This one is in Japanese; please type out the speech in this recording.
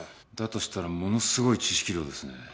だとしたらものすごい知識量ですね。